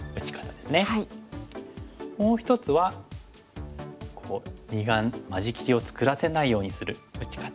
もう１つは二眼間仕切りを作らせないようにする打ち方。